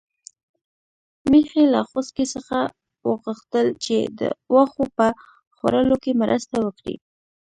میښې له خوسکي څخه وغوښتل چې د واښو په خوړلو کې مرسته وکړي.